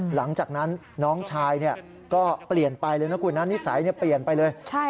หลังจากนั้นน้องชายก็เปลี่ยนไปเลยนะคุณนะนิสัยเปลี่ยนไปเลย